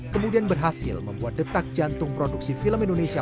kemudian berhasil membuat detak jantung produksi film indonesia